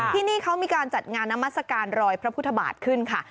ที่นี่เขามีการจัดงานนามัศกาลรอยพระพุทธบาทขึ้นค่ะ